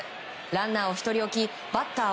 ランナーを１人置きバッター